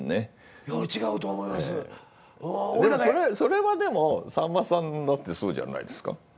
それはでもさんまさんだってそうじゃないですか？